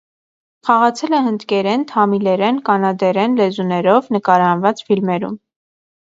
Խաղացել է հնդկերեն, թամիլերեն, կաննադերեն լեզուներով նկարահանված ֆիլմերում։